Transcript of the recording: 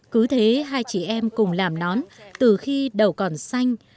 cứ thế hai chị em cùng làm nón từ khi đầu còn xanh